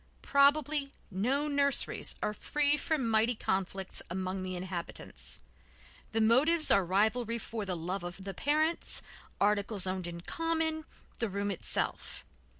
Probably no nurseries are free from mighty conflicts among the inhabitants. The motives are rivalry for the love of the parents, articles owned in common, the room itself.